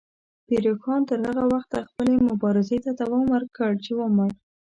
پیر روښان تر هغه وخته خپلې مبارزې ته دوام ورکړ چې ومړ.